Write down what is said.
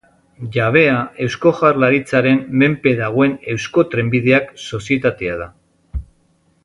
Jabea Eusko Jaurlaritzaren menpe dagoen Eusko Trenbideak sozietatea da.